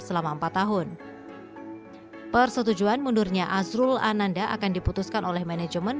selama empat tahun persetujuan mundurnya azrul ananda akan diputuskan oleh manajemen